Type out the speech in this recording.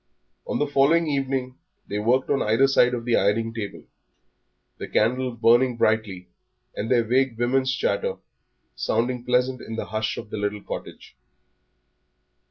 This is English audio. On the following evening they worked on either side of the ironing table, the candle burning brightly and their vague woman's chatter sounding pleasant in the hush of the little cottage.